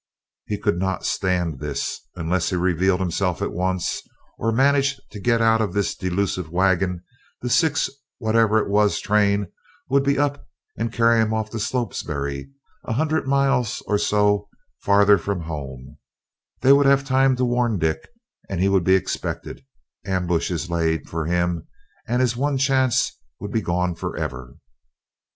He could not stand this; unless he revealed himself at once, or managed to get out of this delusive waggon, the six whatever it was train would be up and carry him off to Slopsbury, a hundred miles or so farther from home; they would have time to warn Dick he would be expected ambushes laid for him, and his one chance would be gone for ever!